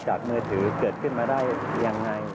จากเมือถือเกิดขึ้นมาได้อย่างไร